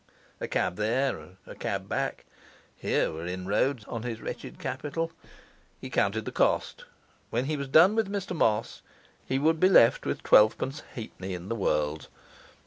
A cab there and a cab back; here were inroads on his wretched capital! He counted the cost; when he was done with Mr Moss he would be left with twelvepence halfpenny in the world.